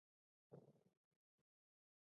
ښارونه د افغانستان د هیوادوالو لپاره ویاړ دی.